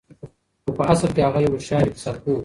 خو په اصل کې هغه يو هوښيار اقتصاد پوه و.